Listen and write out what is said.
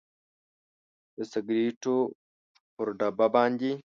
د سګریټو پر ډبه باندې